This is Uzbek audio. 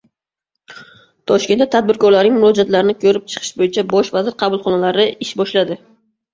Toshkentda Tadbirkorlarning murojaatlarini ko‘rib chiqish bo‘yicha Bosh vazir qabulxonalari ish boshladi